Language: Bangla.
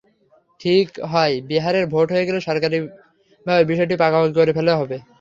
ঠিক হয়, বিহারের ভোট হয়ে গেলে সরকারিভাবে বিষয়টি পাকাপাকি করে ফেলা হবে।